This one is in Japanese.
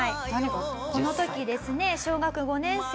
この時ですね小学５年生